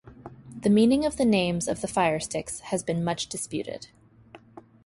The meaning of the names of the fire-sticks has been much disputed.